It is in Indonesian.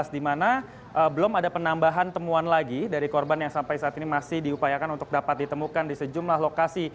di mana belum ada penambahan temuan lagi dari korban yang sampai saat ini masih diupayakan untuk dapat ditemukan di sejumlah lokasi